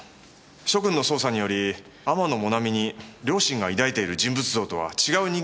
諸君の捜査により天野もなみに両親が抱いている人物像とは違う人間関係が判明した。